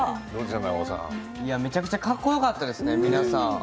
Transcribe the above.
めちゃくちゃかっこよかったですね、皆さん。